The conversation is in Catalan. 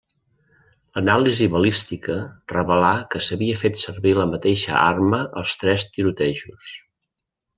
L'anàlisi balística revelà que s'havia fet servir la mateixa arma als tres tirotejos.